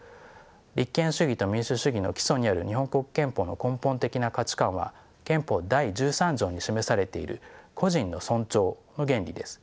立憲主義と民主主義の基礎にある日本国憲法の根本的な価値観は憲法第十三条に示されている個人の尊重の原理です。